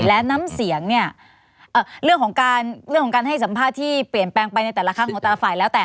และน้ำเสียงเนี่ยเรื่องของการเรื่องของการให้สัมภาษณ์ที่เปลี่ยนแปลงไปในแต่ละครั้งของแต่ละฝ่ายแล้วแต่